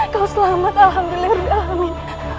kau selamat alhamdulillah amin